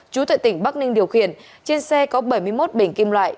chú tại tỉnh bắc ninh điều khiển trên xe có bảy mươi một bình kim loại